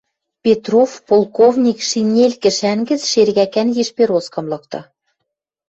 Петров полковник шинель кӹшӓн гӹц шергӓкӓн йиш пероскым лыкты